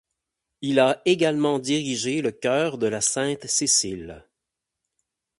Il a également dirigé le chœur de la Sainte-Cécile.